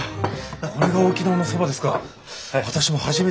これが沖縄のそばですか。